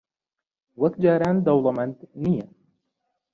وەک جاران دەوڵەمەند نییە.